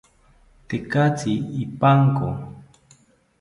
Tekatzi ipanko